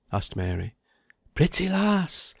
asked Mary. "Pretty, lass!